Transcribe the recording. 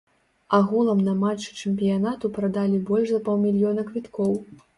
Агулам на матчы чэмпіянату прадалі больш за паўмільёна квіткоў.